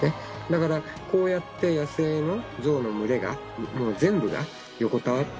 だからこうやって野生の象の群れの全部が。